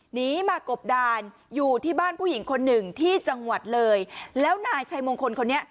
หนีมากบดานอยู่ที่บ้านผู้หญิงคนหนึ่งที่จังหวัดเลยแล้วนายชัยมงคลคนนี้